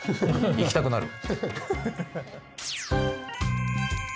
行きたくなる！